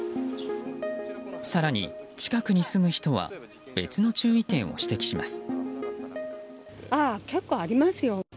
更に、近くに住む人は別の注意点を指摘します。